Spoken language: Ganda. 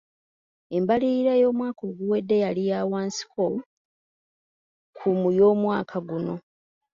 Embalirira y'omwaka oguwedde yali ya wansiko ku y'omwaka guno.